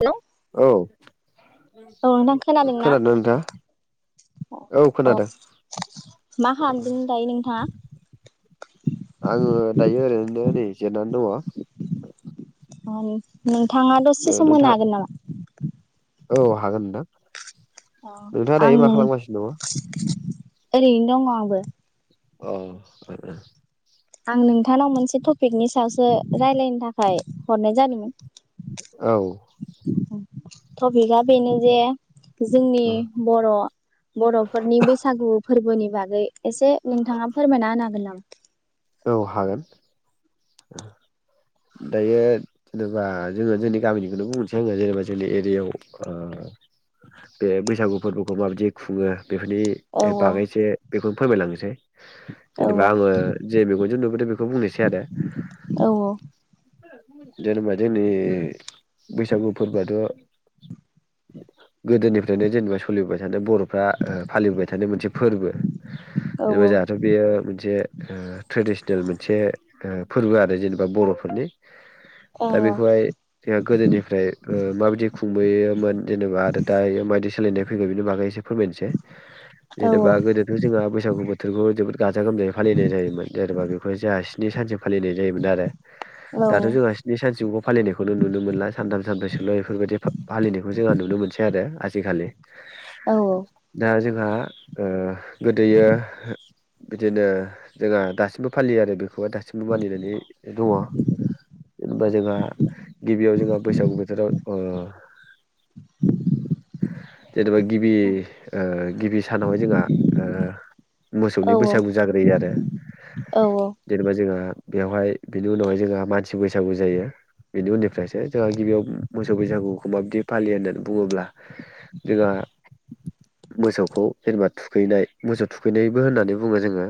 Hello औ औ नोंथां खोनादोंना खोनादों ना नोंथांङा? औ अ खोनादों, मा औ खालामदों दायो नोंथाङा आंङो दायो ओरैनो नै जिरनानै दंङ। [inaudible] अम नों थांङा दसे सम होनो नोंथाङा हागोन नामा? औ हागोन‌ नोंथां। अ नोंथाङा आं दायो मा नों खालामगासिनो दङ? ओरैनो दंङ आंबो। अह ओ ओ आं नोंथांनाव मोनसे टपिकनि सायावसो रायलायनो थाखाय हरनाय जादोंमोन। औ टपिका बेनो जे जोंनि बर' बर'फोरनि बैसागु फोरबोनि बाग गै एसे नोंथांङा फोरमायना होनो हागोन नामा? औ हागोन। दायो नोबा जोंङो जोंनि गामिनिखौनो बुंनोसै आंङो जेनेबा जोंनि एरियायाव ओ बे बैसागु फोरबोखौ माबायदि खुंङो बेफोरनि औ बागै एसे बेखौनो फोरमायलां सै औ जेनेबा आंङो जे मेगनजों नुबोदों बेखौनो बुंनोसै आरो। औ जेनेबा जोंनि बैसागु फोरबोआथ' गोदोनिफ्रायनो जेनेबा सोलिबोबाय थानाय बर'फ्रा ओ फालिबोबाय थानाय मोनसे फोरबो। औ जेबा जाहाथ' बेयो मोनसे ओ ट्रेडिसेनेल मोनसे फोरबो आरो जेनेबा बर'फोरनि औ दा बेखौहाय जोंहा गोदोनिफ्राय ओ माबादि खुं नुयोमोन जेनेबा आरो दायो माबायदि सोलायनाय फैगोन बिनि बागै एसे फोरमायनोसै औ जेनेबा गोदोथ' जोंहा बैसागु बोथोरखौ जोबोद गाजा गोमजायै फालिनाय जायोमोन जेरबा बेखौ जोंहा स्नि सानसिम फालिनाय जायोमोन आरो दाथ' जोंहा स्नि सानसिमखौ फालिनायखौनो नुनो मोनला सानथाम सानब्रैसोल' ब इफोरबायदि फालिनायखौ जोंहा नुनो मोनसै आरो आजिखालि। औ दा जों ना ओ गोदोयो बिदिनो जोंहा दासिमबो फालियो आरो बेखौहाय दासिमबो मानिनानै दंङ जेनेबा जोंहा गिबियाव जोंहा बैसागु बोथोराव ओ जेनेबा गिबि ओ गिबि सानावहाय जोंहा ओ मोसौनि औ बैसागु जाग्रोयो आरो। ओ जेनेबा जोंङा बेयावहाय बिनि उनावहाय जोंहा मानसि बैसागु जायो बेनि उननिफ्रायसो जोंहा गिबियाव मोसौ बैसागुखौ माबदि फालियो होननानै बुंङोब्ला जोंहा मोसौखौ जेनेबा थुखैनाय मोसौ थुखैनायबो होननानै बुंङो जोंङो।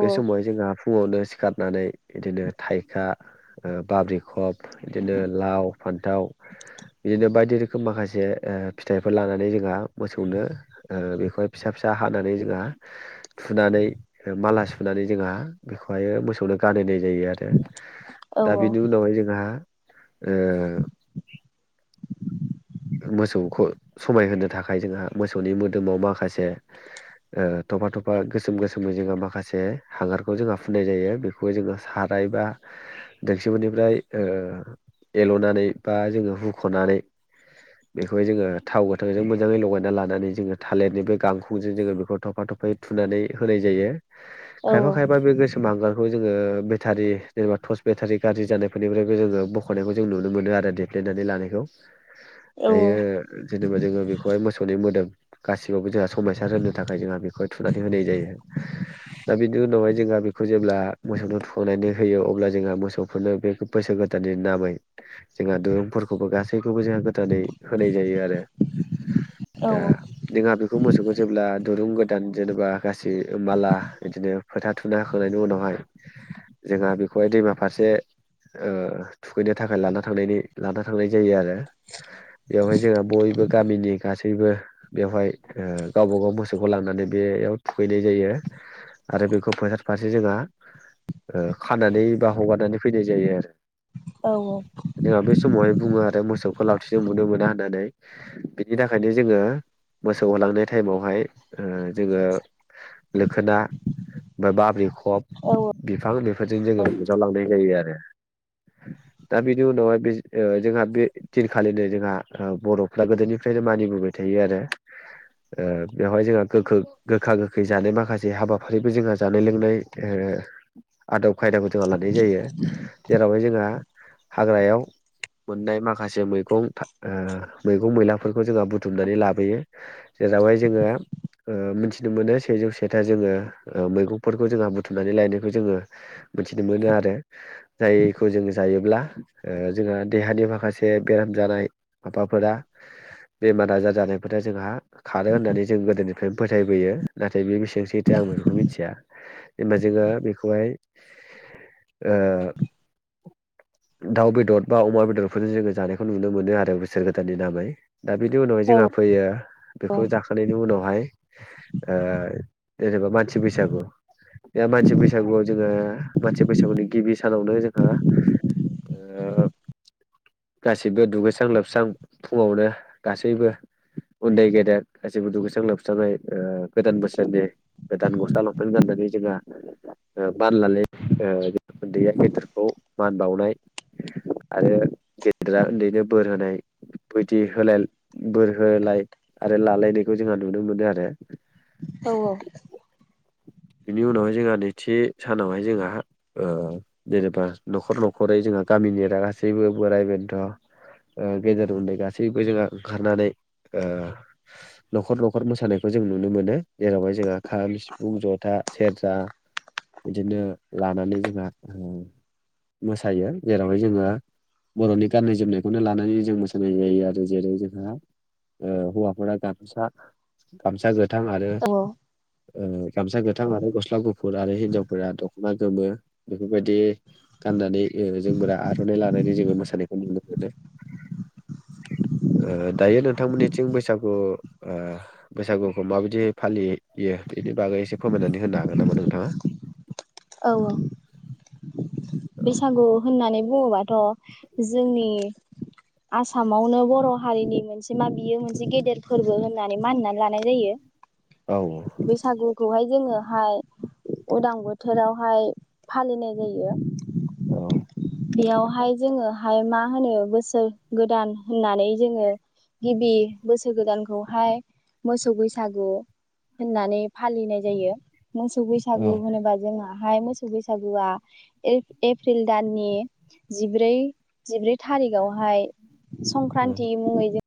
बे समाव जोंहा फुङावनो सिखारनानै बिदिनो थाइखा ओ बाब्रि खब बिदिनो लाव फान्थाव बिदिनो बायदि रोखोम माखासे ओ फिथाइफोर लानानै जोंहा मोसौनो ओ बेखौहाय फिसा फिसा हानानै जोंहा थुनानै माला सुनानै जोंहा बेखौहायो मोसौनो गानहोनाय जायो आरो। औ दा बेनि उनावहाय जोंहा ओ मोसौखौ समायहोनो थाखाय जोंहा मोसौनि मोदोमाव माखासे ओ थफा थफा गोसोम गोसोम मै जोंहा माखासे हांगारखौ जोंहा फुननाय जायो बेखौ जोङो साराय बा दोगसिफोरनिफ्राय ओ एल'नानै बा जोङो हुख'नानै बेख होनाय जायो। खायफा औ खायफा बे गोसोम हांगार खौ जोङो बेटारि जेनेबा टर्च बेटारि गाज्रि जानायफोरनिफ्रायबो जोङो बख'नायखौ जों नुनो मोनो आरो देग्लिनानै लानायखौ। औ दायो जेनेबा जोङो बेखौ खौहाय मोसौनि मोदोम गासिबखौबो जोंहा समायसार होननो थाखाय जोंहा बेखौ थुनानै होनाय जायो। दा बिनि उनावहाय जोंहा बेखौ जेब्ला मोसौनो थुखांनानै होयो अब्ला जोंहा मोसौफोरनो बे बोसोर गोदाननि नामै जोंहा दुरुंफोरखौबो गासैखौबो जोंहा गोदानै होनाय जायो आरो। दा जोंहा बेख खौ मोसौखौ जेब्ला दुरुं गोदान जेनेबा गास सै माला बिदिनो फोथा थुना होखांनायनि उनावहाय जोंहा बेखौहाय दैमा फारसे ओ थुखैनो थाखाय लाना थांनायनि लाना थांनाय जायो आरो। बेवहाय जोंहा बयबो गामिनि गासैबो बेवहाय ओ गावबा गाव मोसौखौ लांनानै बेयाव थुगैनाय जायो आरो बेखौ फोथार फारसे जोंहा ओ खानानै बा हगारनानै फैनाय जायो आरो। औ जोंहा बे समावहाय बुंङो आरो मोसौ फोलावथिजों बुनो मोना होननानै बिनि थाखायनो जोङो मोसौ होलांनाय टाइमावहाय ओ जोङो लोखोना बा बाब्रिख खब औ बिफां बेफोरजों जोङो बुज्रावलांनाय रजायो आरो दा बिनि उनावहाय बे जोंहा बे दिनखालिनो जोंहा ओ बर'फ्रा गोदोनिफ्रायनो मानिबोबाय थायो आरो ओ बेवहाय जोंहा गोखो गोखा गो गोखै जानाय माखासे हाबाफारिबो जोंहा जानाय लोंनाय ओ आदब खायदाखौ जोंहा लानाय जायो। जेरावहाय जोंहा हाग्रायाव मोननाय माखासे मैगं था ओ मैगं मैलाफोरखौ जोंहा बुथुमनानै लाबोयो जेरावहाय जोङो ओ मिथिनो मोनो सेजौ सेथा जोङो ओ मैगंफोरखौ जोंहा बुथुमनानै लायनायखौ जोङो मिथिनो मोनो आरो जायखौ जोङो जायोब्ला ओ जोंहा देहानि माखासे बेराम जानाय माबाफोरा बेमार आजार जानायफोरा जोंहा खारो होननानै जों गोदोनिफ्रायनो फोथायबोयो। नाथाय बेयो बेसेबां सैथो आं बेफोरखौ मिथिया। जेनबा जोङो बेखौहाय ओ दाउ बेदर बा अमा बेदरफोरजों जोङो जानायखौ नुनो मोनो आरो बोसोर गोदाननि नामै। दा बिनि उनावहाय औ जोंहा फैयो बेखौ जाखांनि उनावहाय ओ जेनेबा मानसि बैसागु बे मानसि बैसागुआव जोङो मानसि बैसागुनि गिबि सानावनो जोंहा ओ गासैबो दुगैस्रां लोबस्रां फुङावनो गासैबो उन्दै गेदेर गासैबो दुगैस्रां लोबस्रांयै ओ गोदान बोसोरनि गोदान गस्ला लंफेन गाननानै जोंहा ओ मान लालाय ओ उन्दैया गेदेरखौ मान बाावनाय आरो गेदेरा उन्दैनो बोर होनाय बदि होलाय बोर होलाय आरो लालायनायखौ जोंहा नुनो मोनो आरो। औ औ। बेनि उनावहाय जोंहा नैथि सानावहाय जोंहा ओ जेनेबा न'खर न'खरै जोंहा गामिनिरा गासैबो बोराइ बेन्थ' ओ गेेजेर उन्दै गासैबो जोंहा ओंखारनानै ओ न'खर न'खर मोसानायखौ जों नुनो मोनो जेरावहाय जोंहा खाम सिफुं जथा सेरजा बिदिनो लानानै जोंहा ओ मोसायो जेरावहाय जोङो बर'नि गाननाय जोमनायखौनो लानानै जों मोसानाय जायो आरो जेरै जोंहा ओ हौवाफोरा गामसा गामसा गोथ थां आरो ओ गामसा गोथां आरो गस्ला गुफुर आरो हिन्जावफोरा दख'ना गोमो बेफोरबायदि गाननानै ओ जोमग्रा आर'नाइ लानायानानै जोङो मोसानायखौ नुनो मोनो। ओ दायो नोंथांमोननिथिं बैसागु ओ बैसागुखौ माबायदि फालियो बेनि बागै एसे फोरमायनानै होनो हागोन नामा नोंथाङा? औ औ औ बैसागु होननानै बुङोबाथ'। जोंनि आसामावनो बर' हारिनि मोनसे मा बियो मोनसे गेदेर फोरबो होननानै मानिनानै लानाय जायो। औ बेैसागु। खौहाय जोङोहाय उदां बोथ थोरावहाय फालिनाय जायो। औ। बेयावहाय जोङोहाय मा होनो बोसोर गोदान होननानै जोङो गिबि बोसोर गोदानखौहाय मोसौ बैसागु होननानै फालिनाय जायो। मोसौ बैसागु औ होनोबा जोंहा। हाय मोसौ बैसागुआ एप एप्रिल दाननि। जिब्रै जिब्रै। थारिकआवहाय औ संक्रान्ति मुङै जों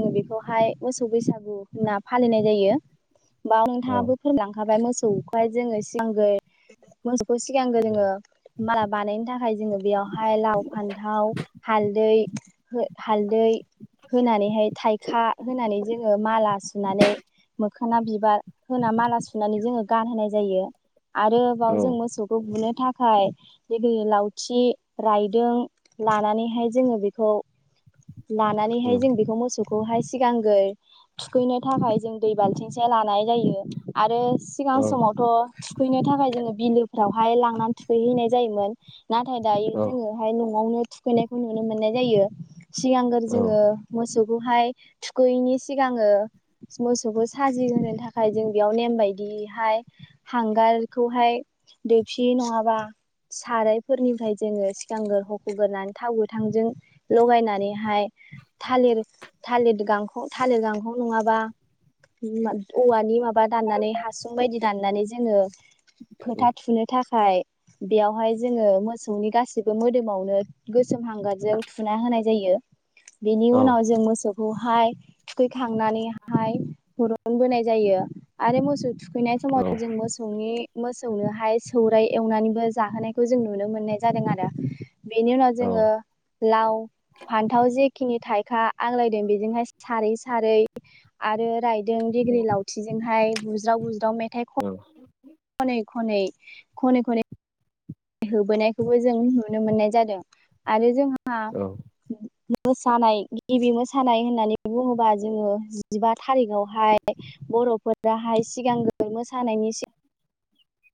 जों बेखौहाय मोसौ बैसागु होनना फालिनाय जायो। बा नोंथाङाबो औ फोरलांखाबाय मोस सौखाय जोङो सिंगांगै। मोसौखौ सिगांगो जोङो माला बानायनो थाखाय जोङो बेयावहाय लाव फान्थाव हालदै। हालदै होनानैहाय। थाइखा होनानै जोङो माला सुनानै मोखोना बिबार होना माला सुनानै जोङो गानहोनाय जायो। आरो बाव औ जों मोसौखौ गुनो थाखाय। बे बादिनो लावथि रायदों लानानैहाय जोङो बेखौ। औ लानानैहाय जों बेखौ मोसौ। खौहाय [unintelligible] थुखैनो थाखाय जों दै बालथिंसे लानाय जायो आरो। औ सिगां समावथ' थुखैनो थाखाय जोङो बिलोफ्राव। हाय लांनानै थुखैहैनाय जायोमोन। नाथाय दायो औ जोंङोहाय न'आवनो। थुखैनायखौ नुनो मोननाय जायो। सिगांग्रो औ जोङो मोसौ। खौहाय थुखैयैनि सिगाङो मोसौखौ साजिहोनो थाखाय जों बेयाव नेम बायदियैहाय हांगारखौहाय दैफि नङाबा सारायफोरनिफ्राय जोङो सिगांगोर हख'ग्रोनानै थाव गोथांजों लगायनानैहाय थालिर। थालिर गांख थालिर गांखं नङाबा औवानि माबा दाननानै हासुं बायदि दाननानै जोङो फोथा थुनो थाखाय बेयावहाय जोङो मोसौनि गासैबो मोदोमावनो [unintelligible] सोम हांगारजों थुना होनाय जायो। बेनि उनाव जों मोसौ। बेखौहाय थुखैखांनानैहाय हुरुनबोनाय जायो आरो मोसौ थुखैनाय औ समाव जों मोसौनि मोसौनोहाय सौराइ एवनानैबो जाहोनायखौ जों नुनो मोननाय जादों आरो। बेनि उनाव जोङो लाव फान्थाव जि खिनि थाइखा। [unintelligible] रायदों डिग्रि लावथिजोंहाय बुज्राव बुज्राव मेथाइ खन औ खनै खनै खनै खनै होबोनायखौबो जों नुनो मोननाय जादों आरो जोंहा औ [inaudible] मोसानाय गिबि मोसानाय होननानै बुंङोबा जोंङो जिबा थारिखआवहाय बरफोराहाय सिगांग्रो मोसानायनि सि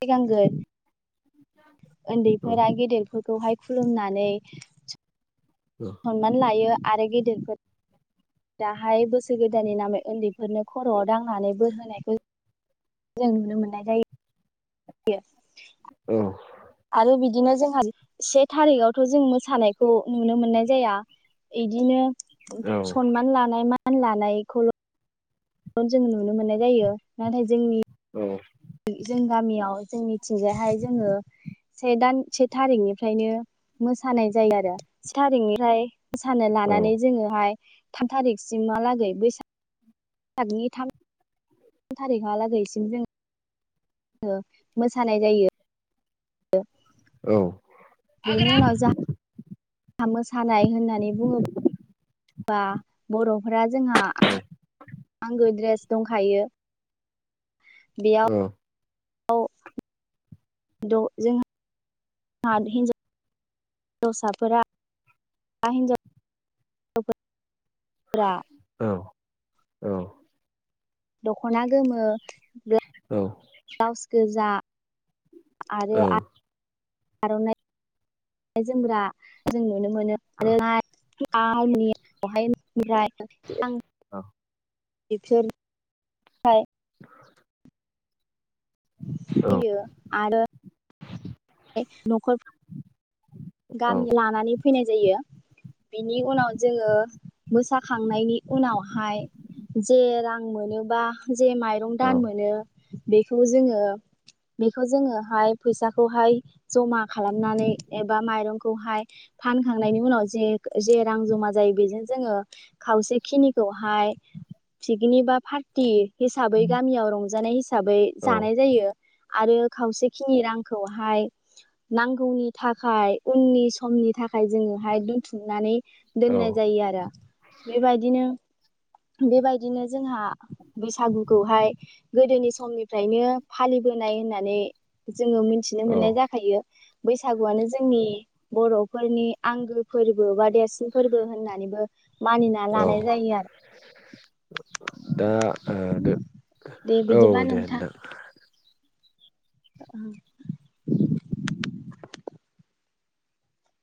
[unintelligible] उन्दैफोर गेदेरफोरखौ खौहाय खुलुमनानै सनमनानै लायो आरो गेदेरफोर दाहाय बोसोर गोदाननि नामै उन्दैफोरनो खरआव दांनानै बोर होनायखौ जों नुनो मोननाय जायो [inaudible] [inaudible] औ आरो बिदिनो जोंहा से थारिखावथ जों मोसानायखौ नुनो मोननाय जाया इदिनो सनमान लानाय म सनमान लानायखौल जों नुनो मोननाय जायो नाथाय जोंनि औ जों गामियाव जोंनिथिंजायहाय जोंङो से दान से थारिखनिफ्रायनो मोसानाय जायो आरो से थारिखनिफ्राय मोसानो लानानै जोंङोहाय थान थारिखसिमहालागै बैसाग थानि थाम थारिखहालागैसिम जों मोसानाय जायो [inaudible] औ बेनि उनाव जा। मोसानाय होननानै बुंङोब्ला। बा बरफोरा जोंहा। आंगो ड्रेस दंखायो। बेयाव औ। जोंहा हिनजाव हिनजावसाफोरा हिनजाव। औ [unintelligible] औ। दखना गोमो। औ ब्लाउस गोजा। आरो। औ आर'नाय जोमग्रा जोंनो [unintelligible] [unintelligible] औ [unintelligible] औ होयो आरो‌ [inaudible] नखर गामि लानानै फैनाय जायो बेनि उनाव जोङो मोसाखांनायनि उनावहाय जे रां मोनोबा जे माइरं दान औ मोनो बेखौ जोङो बेखौ जोङोहाय फैसाखौहाय जमा खालामनानै ए बा माइरंखौहाय फानखांनायनि उनाव जे जे रां जमा जायो बेजों जोङो खावसे खिनिखौहाय पिकनि बा फार्टि हिसाबै गामियाव रं जानाय हिसाबै जानाय जायो आरो खावसेखिनि रांखौहाय नांगौनि थाख खाय उननि समनि थाखाय जोङोहाय दोनथुमनानै दोननाय औ जायो आरो बेबायदिनो बेबायदिनो जोंहा बैसागुखौहाय गोदोनि समनिफ्रायनो फालिबोनाय होननानै जोङो मिनथिनो औ मोननाय जाखायो बैसागुआनो जोंनि बर'फोरनि आंगो फोरबो बा देरसिन फोरबो होननानैबो मानिना औ लानाय जायो आरो। दा दे औ बिदिबा दे नोंथां ओं